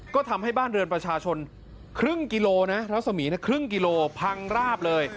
ก็ทำให้บ้านเรือนประชาชนครึ่งกิโลนะรัศมีครึ่งกิโลพังราบเลย